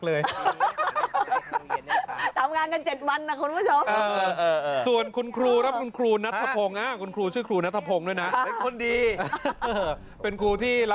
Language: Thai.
เลือกก้าววัยยังไงก็ไม่เหมือนเดิมขอบคุณค่ะ